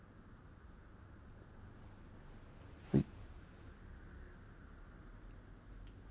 はい。